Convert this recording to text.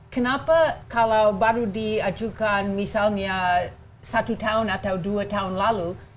kenapa kalau baru diajukan misalnya satu tahun atau dua tahun lalu